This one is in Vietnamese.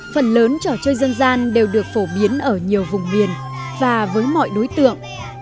phần lớn trò chơi dân gian đều được phổ biến ở nhiều vùng miền và với mọi đối tượng